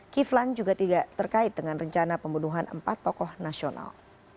kiflan juga tidak terkait dengan rencana pembunuhan empat tokoh nasional